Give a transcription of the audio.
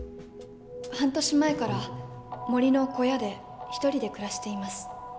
半年前から森の小屋で１人で暮らしています。